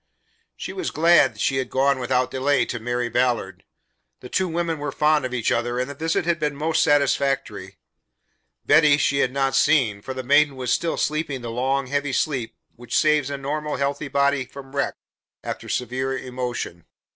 She was glad she had gone without delay to Mary Ballard. The two women were fond of each other, and the visit had been most satisfactory. Betty she had not seen, for the maiden was still sleeping the long, heavy sleep which saves a normal healthy body from wreck after severe emotion.